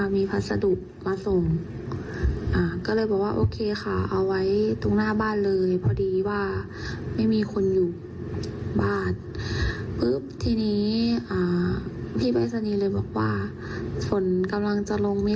พี่เขาก็เลยบอกว่าโอเคครับเดี๋ยวผมเก็บผ้าให้